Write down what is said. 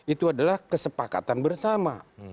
itu adalah kesepakatan bersama